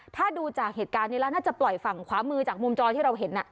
ถ้าดูจากเหตุการณ์นี้แล้วน่าจะปล่อยฝั่งขวามือจากมุมจอที่เราเห็น